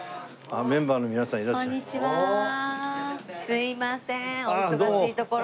すいませんお忙しいところ。